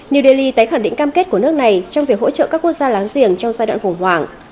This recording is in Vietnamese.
new delhi tái khẳng định cam kết của nước này trong việc hỗ trợ các quốc gia láng giềng trong giai đoạn khủng hoảng